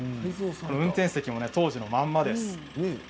運転席も当時のままです。